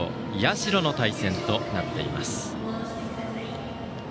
社の対戦となっています。